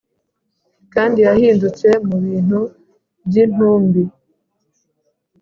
kandi yahindutse mubintu-byintumbi